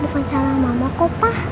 bukan salah mamah kok pak